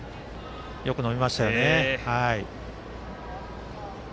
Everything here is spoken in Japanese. よく伸びましたね。